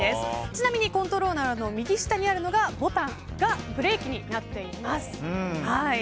ちなみにコントローラーの右下にあるボタンがブレーキになっています。